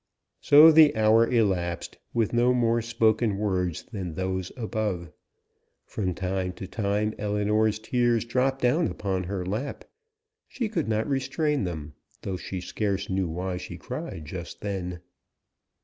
So the hour elapsed, with no more spoken words than those above. From time to time Ellinor's tears dropped down upon her lap; she could not restrain them, though she scarce knew why she cried just then.